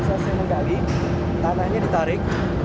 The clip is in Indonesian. dia sepasang semangkali tanahnya ditarik